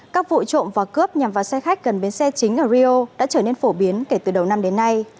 các vụ trộm và cướp nhằm vào xe khách gần biến xe chính ở rio đã trở nên phổ biến kể từ đầu năm đến nay